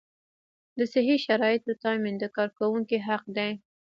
د صحي شرایطو تامین د کارکوونکي حق دی.